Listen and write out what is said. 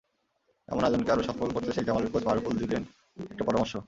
এমন আয়োজনকে আরও সফল করতে শেখ জামালের কোচ মারুফুল দিলেন একটা পরামর্শ।